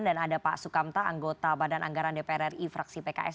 dan ada pak sukamta anggota badan anggaran dpr ri fraksi pks